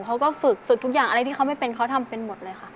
เขาก็ฝึกฝึกทุกอย่างอะไรที่เขาไม่เป็นเขาทำเป็นหมดเลยค่ะ